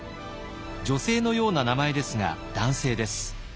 女性のような名前ですが男性です。